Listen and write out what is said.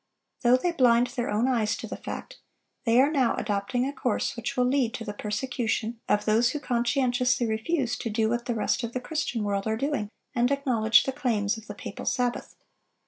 Though they blind their own eyes to the fact, they are now adopting a course which will lead to the persecution of those who conscientiously refuse to do what the rest of the Christian world are doing, and acknowledge the claims of the papal sabbath.